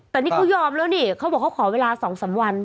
แต่นี่เขายอมแล้วนี่เขาบอกเขาขอเวลา๒๓วัน